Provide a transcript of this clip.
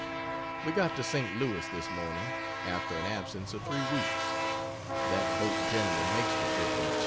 We got to Saint Louis this morning, after an absence of 3 weeks that boat generally makes the trip in 2.